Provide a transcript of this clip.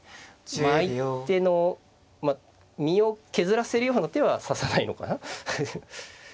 相手の身を削らせるような手は指さないのかな。